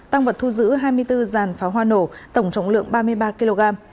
tăng vật thu giữ hai mươi bốn dàn pháo hoa nổ tổng trọng lượng ba mươi ba kg